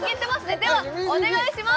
ではお願いします